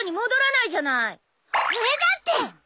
俺だって。